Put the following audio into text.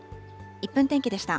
１分天気でした。